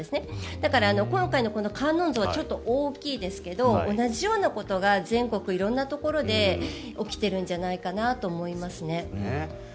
だから今回の観音像はちょっと大きいですが同じようなことが全国色んなところで起きているんじゃないかなと思いますね。